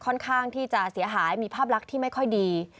ค่อนข้างที่จะเสียหายมีภาพลักษณ์ที่ไม่ค่อยดี